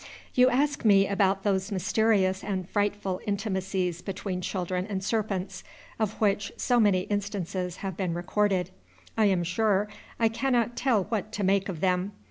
You ask me about those mysterious and frightful intimacies between children and serpents, of which so many instances have been recorded. I am sure I cannot tell what to make of them.